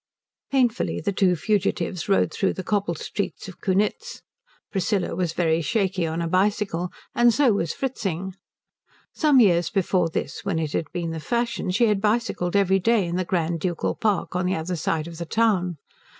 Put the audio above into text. Painfully the two fugitives rode through the cobbled streets of Kunitz. Priscilla was very shaky on a bicycle, and so was Fritzing. Some years before this, when it had been the fashion, she had bicycled every day in the grand ducal park on the other side of the town.